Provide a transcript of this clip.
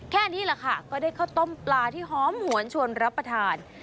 แค่นี้แหละค่ะก็ได้ข้าวต้มปลาที่หอมหวนชวนรับประทาน